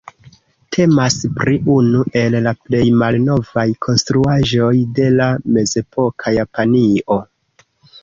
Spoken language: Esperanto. Temas pri unu el la plej malnovaj konstruaĵoj de la mezepoka Japanio.